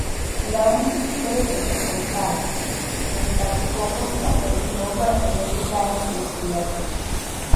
Nlaweni mwikiperekhe Ofacultaati, kintakha kookontareleni woopora enettettaye sikhu yaka.